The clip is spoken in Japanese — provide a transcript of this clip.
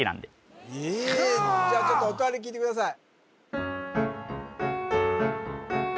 じゃあちょっと音あり聴いてください